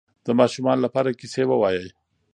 د ماشومانو لپاره کیسې ووایئ.